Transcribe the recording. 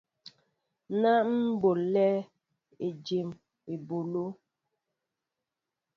Ná ḿ ɓolɛέ éjem eɓoló.